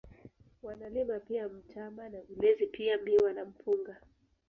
Wanalima pia mtama na ulezi pia miwa na Mpunga